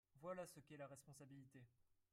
Voilà ce qu’est la responsabilité